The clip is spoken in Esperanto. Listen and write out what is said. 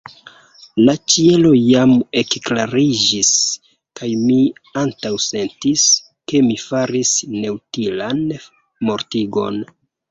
La ĉielo jam ekklariĝis, kaj mi antaŭsentis, ke mi faris neutilan mortigon.